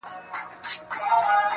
دا چا ویل چې خلک بې واټنه نه بېلېږي